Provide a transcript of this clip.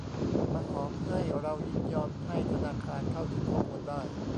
มาขอเพื่อให้เรายินยอมให้ธนาคารเข้าถึงข้อมูลได้